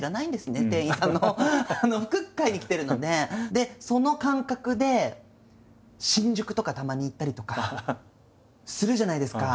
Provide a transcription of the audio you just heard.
でその感覚で新宿とかたまに行ったりとかするじゃないですか。